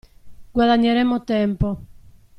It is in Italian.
Guadagneremmo tempo.